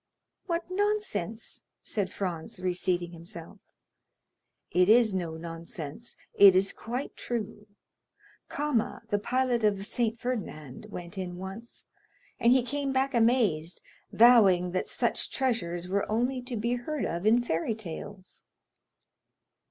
"What nonsense!" said Franz, reseating himself. "It is no nonsense; it is quite true. Cama, the pilot of the Saint Ferdinand, went in once, and he came back amazed, vowing that such treasures were only to be heard of in fairy tales."